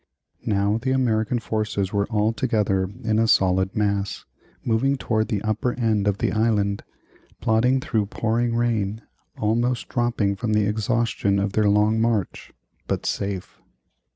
Now the American forces were all together in a solid mass, moving toward the upper end of the island; plodding through pouring rain, almost dropping from the exhaustion of their long march but safe.